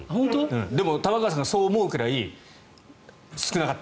でも、玉川さんがそう思うくらい少なかった。